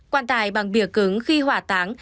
quan tài bằng bìa cứng khi hỏa táng